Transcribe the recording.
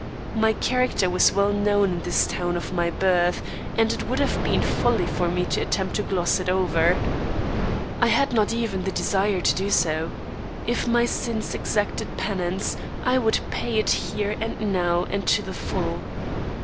My character was well known in this town of my birth, and it would have been folly for me to attempt to gloss it over. I had not even the desire to do so. If my sins exacted penance, I would pay it here and now and to the full.